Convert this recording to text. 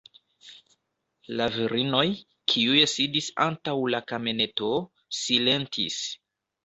La virinoj, kiuj sidis antaŭ la kameneto, silentis.